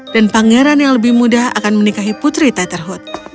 dan pangeran yang lebih muda akan menikahi putri tetherhood